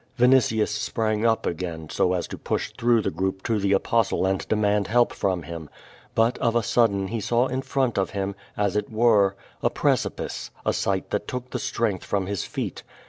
Vinitius sprang up again, so as to push through the group to the Apostle and demand help from him. But of a sudden he saw in front of him, as it were, a precipice, a sight that took the strength from his feet.